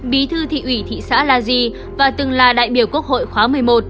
bí thư thị ủy thị xã la di và từng là đại biểu quốc hội khóa một mươi một